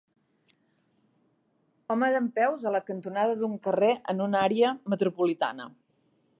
home dempeus a la cantonada d"un carrer en una àrea metropolitana.